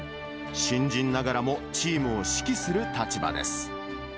新人ながらも、チームを指揮する立場です。